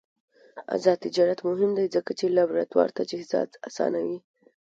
آزاد تجارت مهم دی ځکه چې لابراتوار تجهیزات اسانوي.